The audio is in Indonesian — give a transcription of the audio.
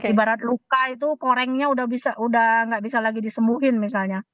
ibarat luka itu korengnya udah nggak bisa lagi disembuhin misalnya